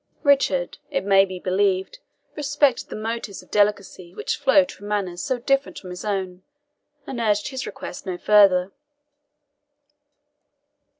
Richard, it may be believed, respected the motives of delicacy which flowed from manners so different from his own, and urged his request no further.